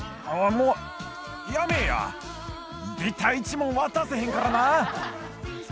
「もうやめえや」「ビタ一文渡せへんからな」